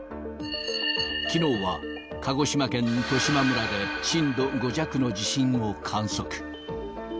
きのうは、鹿児島県十島村で震度５弱の地震を観測。